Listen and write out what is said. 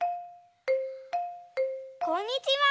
こんにちは。